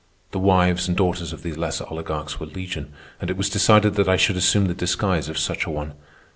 The wives and daughters of these lesser oligarchs were legion, and it was decided that I should assume the disguise of such a one.